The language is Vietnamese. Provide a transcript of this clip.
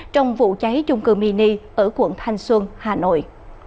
trong vụ cháy trung cư mini ở quận thanh xuân hà nội